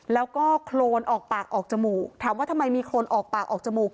แล้วก็โครนออกปากออกจมูกถามว่าทำไมมีโครนออกปากออกจมูก